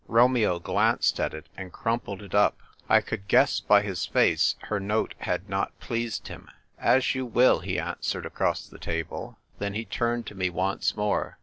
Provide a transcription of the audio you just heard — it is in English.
Romeo glanced at it and crumpled it up ; I could guess by his face her note had not pleased him. "As you will," he answered across the table ; then he turned to me once more.